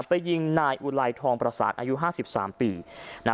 ไปยิงนายอุไลธรรมประศาสตร์อายุห้าสิบสามปีนะคะ